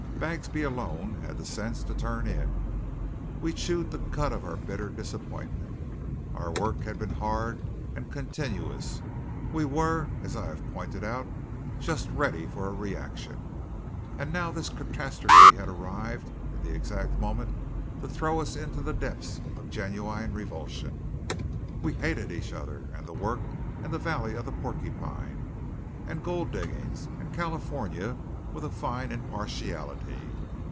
Bagsby alone had the sense to turn in. We chewed the cud of bitter disappointment. Our work had been hard and continuous; we were, as I have pointed out, just ready for a reaction; and now this catastrophe arrived in the exact moment to throw us into the depths of genuine revulsion. We hated each other, and the work, and the valley of the Porcupine, and gold diggings, and California with a fine impartiality.